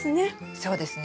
そうですね。